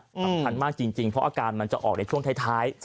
สำคัญมากจริงเพราะอาการมันจะออกในช่วงท้าย